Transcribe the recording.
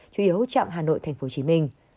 chủ yếu trọng hà nội tp hcm